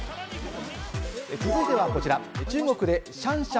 続いてはこちら。